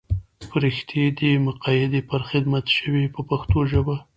فرښتې دې مقیدې پر خدمت شوې په پښتو ژبه.